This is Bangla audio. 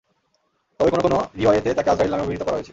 তবে কোন কোন রিওয়ায়েতে তাকে আযরাঈল নামে অভিহিত করা হয়েছে।